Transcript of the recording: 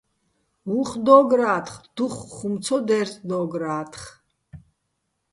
უ̂ხ დო́გრათხ, დუხ ხუმ ცო დერწდო́გრა́თხ,